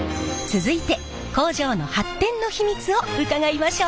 続いて工場の発展の秘密を伺いましょう！